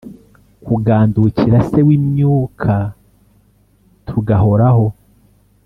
kugandukira Se w'imyuka tugahoraho?